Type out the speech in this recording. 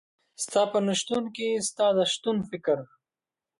ستا په نشتون کي ستا د شتون فکر